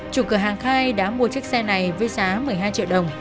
chủ cửa hàng khai đã mua chiếc xe này với giá một mươi hai triệu đồng